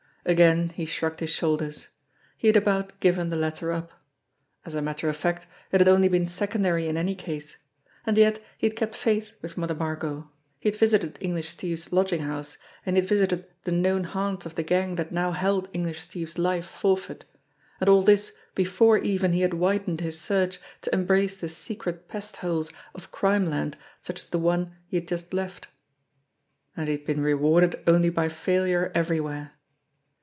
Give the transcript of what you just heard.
Again he shrugged his shoulders. He had about given the latter up. As a matter of fact, it had only been secondary in any case. And yet he had kept faith with Mother Margot. He had visited English Steve's lodging house, and he had visited the known haunts of the gang that now held English Steve's life forfeit and all this before even he had widened his search to embrace the secret pest holes of Crimeland such as the one he had just left. And he had been rewarded only by failure everywhere.